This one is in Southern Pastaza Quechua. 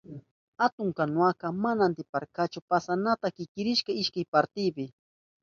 Atun kanuwaka mana atiparkachu pasanata, kichkirishka ishkay kaspipi.